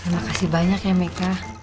makasih banyak ya meka